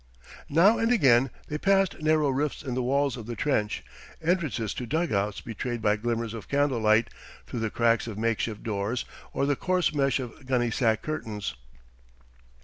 Now and again they passed narrow rifts in the walls of the trench, entrances to dugouts betrayed by glimmers of candle light through the cracks of makeshift doors or the coarse mesh of gunnysack curtains.